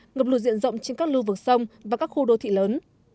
ngập lụt diện rộng trên các lưu vực sông và các khu đô thị lớn